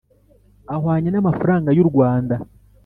ahwanye n amafaranga y u Rwanda